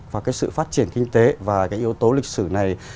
và cái sự phát triển kinh tế và cái yếu tố lịch sử này